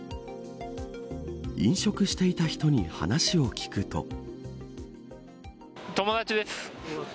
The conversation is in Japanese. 飲食していた人に話を聞くと。